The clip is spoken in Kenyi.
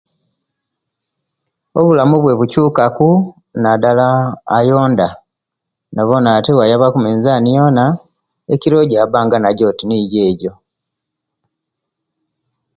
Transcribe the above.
Obulamu bwe bukyukaku nadala, ayonda; nabona ati nobwoyaba okumizaani yoona, ekiro ejjambanga nagyo otinigyo ejjo.